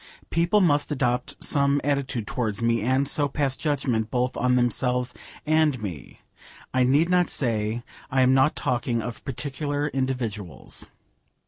People must adopt some attitude towards me, and so pass judgment, both on themselves and me. I need not say I am not talking of particular individuals.